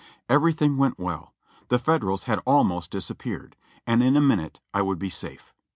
Everything went Avell ; the Federals had almost disappeared, and in a minute I would be safe.